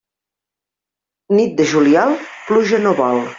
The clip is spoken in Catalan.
Nit de juliol, pluja no vol.